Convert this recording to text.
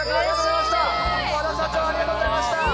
社長、ありがとうございました。